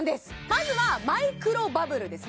まずはマイクロバブルですね